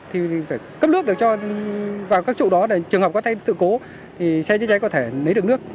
thì phải cấp nước được vào các trụ đó để trường hợp có thay sự cố thì xe chữa cháy có thể lấy được nước